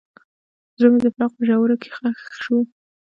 زړه مې د فراق په ژوره کې ښخ شو.